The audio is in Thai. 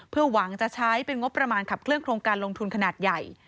เพื่อหวังจะใช้เป็นงบประมาณขับเคลื่อโครงการลงทุนขนาดใหญ่